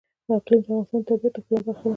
اقلیم د افغانستان د طبیعت د ښکلا برخه ده.